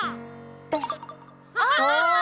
あ！